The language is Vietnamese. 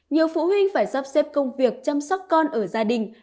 nhiều phụ huynh phải sắp xếp công việc chăm sóc con ở gia đình